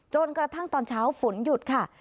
จนกระทั่งตอนเช้าฝนหยุดค่ะ